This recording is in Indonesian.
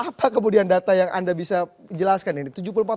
apa kemudian data yang anda bisa jelaskan ini